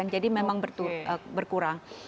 jadi memang berkurang